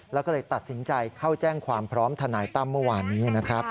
แล้วก็เลยตัดสินใจเข้าแจ้งความพร้อมทนายตั้มเมื่อวานนี้นะครับ